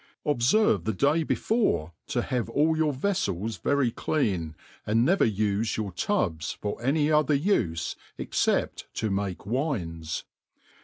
Qbfervc the day before to have all your veffels yefy cljjan, and iicver ufe your tubs for any other ufe except to make wines.